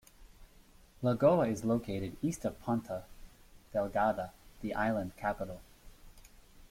Lagoa is located east of Ponta Delgada, the island capital.